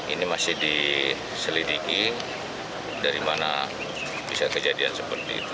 ini masih diselidiki dari mana bisa kejadian seperti itu